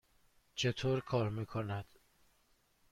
چطور کار می کند؟